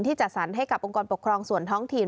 จัดสรรให้กับองค์กรปกครองส่วนท้องถิ่น